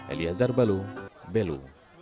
elia zarbalu belu